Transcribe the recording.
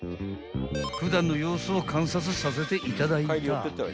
［普段の様子を観察させていただいた］